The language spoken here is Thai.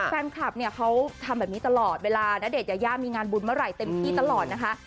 แฟนคลับเนี่ยเขาทำแบบนี้ตลอดเวลาณเดชนยายามีงานบุญเมื่อไหร่เต็มที่ตลอดนะคะ